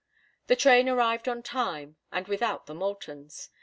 The train arrived on time, and without the Moultons.